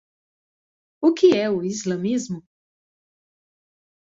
O que é o islamismo?